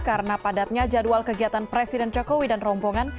karena padatnya jadwal kegiatan presiden jokowi dan rombongan